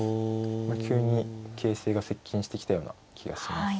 まあ急に形勢が接近してきたような気がします。